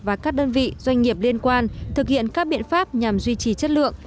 và các đơn vị doanh nghiệp liên quan thực hiện các biện pháp nhằm duy trì chất lượng